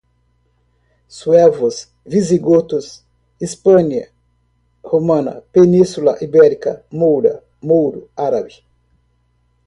suevos, visigodos, Hispânia romana, Península Ibérica, moura, mouro, árabe